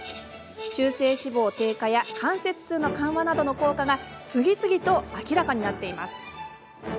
中性脂肪低下や関節痛緩和などの効果が次々と明らかになっています。